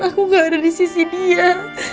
aku gak ada di sisi dia